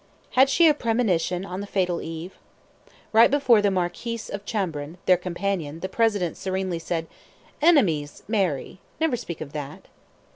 Had she a premonition on the fatal eve? Right before the Marquis of Chambrun, their companion, the President serenely said: "Enemies, Mary! Never speak of that!"